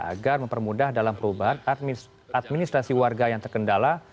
agar mempermudah dalam perubahan administrasi warga yang terkendala